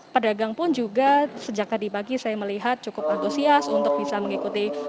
pedagang pun juga sejak tadi pagi saya melihat cukup antusias untuk bisa mengikuti